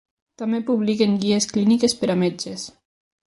També publiquen guies clíniques per a metges.